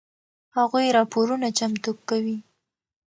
هغوی راپورونه چمتو کوي.